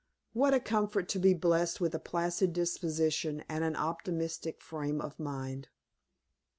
What a comfort to be blessed with a placid disposition and an optimistic frame of mind!